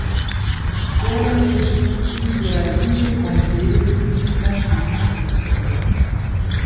Celo estis interalie konkeri britan Egiption.